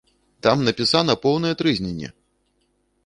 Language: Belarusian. Там напісана поўнае трызненне!